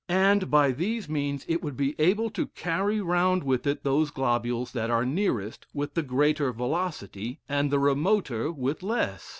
And, by these means, it would be able to carry round with it those globules that are nearest, with the greater velocity; and the remoter, with less.